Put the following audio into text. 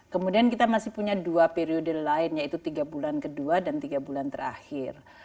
kemudian kita masih punya dua periode lain yaitu tiga bulan kedua dan tiga bulan terakhir